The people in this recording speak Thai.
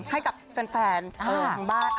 ให้กับแฟนทางบ้าน